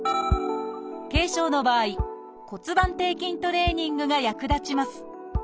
軽症の場合骨盤底筋トレーニングが役立ちます。